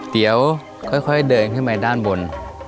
เดี๋ยวค่อยเดินขึ้นไปด้านบน